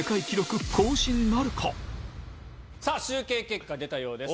さぁ集計結果出たようです